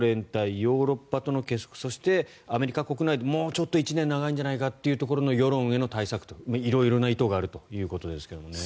ヨーロッパとの結束そしてアメリカ国内でもうちょっとで１年長いんじゃないかという世論への対策と、色々な意図があるということです。